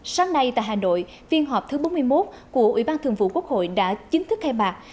sáng nay tại hà nội phiên họp thứ bốn mươi một của ủy ban thường vụ quốc hội đã chính thức khai mạc